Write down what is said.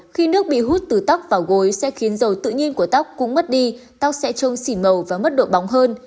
khi nước bị hút từ tóc vào gối sẽ khiến dầu tự nhiên của tóc cũng mất đi tóc sẽ trôn xỉn màu và mất độ bóng hơn